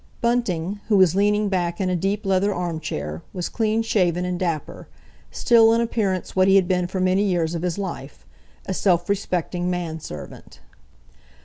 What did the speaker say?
Bunting, who was leaning back in a deep leather arm chair, was clean shaven and dapper, still in appearance what he had been for many years of his life—a self respecting man servant.